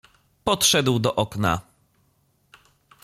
Podszedł do okna.